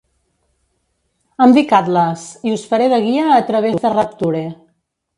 Em dic Atlas i us faré de guia a través de Rapture.